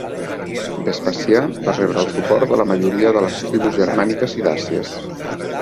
Vespasià va rebre el suport de la majoria de les tribus germàniques i dàcies.